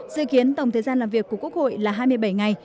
dự kiến tổng thời gian làm việc của quốc hội là hai mươi bảy ngày